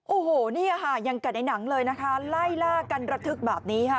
โอ้โหนี่ค่ะยังกับในหนังเลยนะคะไล่ล่ากันระทึกแบบนี้ค่ะ